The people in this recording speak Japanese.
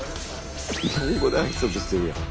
日本語で挨拶してるやん。